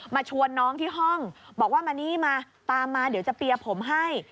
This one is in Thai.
มาชวนน้องที่ห้องบอกว่ามานี่มาตามมาเดี๋ยวจะเปียร์ผมให้